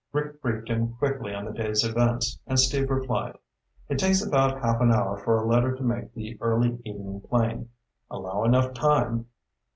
Rick briefed him quickly on the day's events and Steve replied, "It takes about half an hour for a letter to make the early evening plane. Allow enough time."